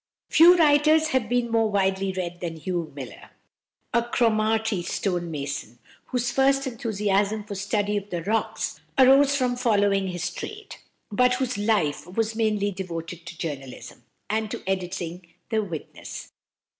Few writers have been more widely read than =Hugh Miller (1802 1856)=, a Cromarty stone mason, whose first enthusiasm for study of the rocks arose from following his trade, but whose life was mainly devoted to journalism, and to editing The Witness.